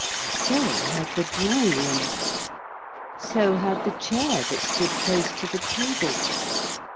So had the drawing room. So had the chair that stood close to the table.